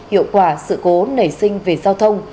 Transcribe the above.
hiệu quả sự cố nảy sinh về giao thông